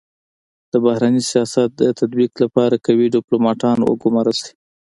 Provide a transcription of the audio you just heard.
د بهرني سیاست د تطبیق لپاره قوي ډيپلوماتان و ګمارل سي.